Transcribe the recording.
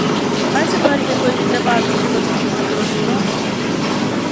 Кај се парите кои ми требаат за живот дур сум на породилно.